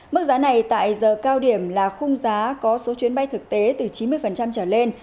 mức giá này tại giờ cao điểm là khung giá có số chuyến bay thực tế từ chín mươi trở lên